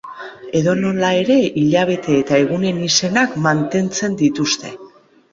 Edonola ere hilabete eta egunen izenak mantentzen dituzte.